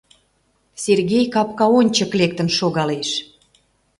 Сергей капка ончык лектын шогалеш.